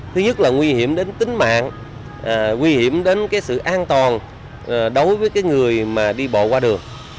thứ nhất là nguy hiểm đến tính mạng nguy hiểm đến sự an toàn đối với người đi bộ qua đường